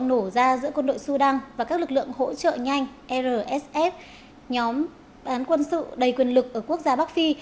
nổ ra giữa quân đội sudan và các lực lượng hỗ trợ nhanh rsf nhóm bán quân sự đầy quyền lực ở quốc gia bắc phi